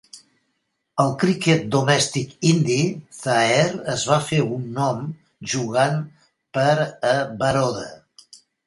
Al cricket domèstic indi, Zaheer es va fer un nom jugant per a Baroda.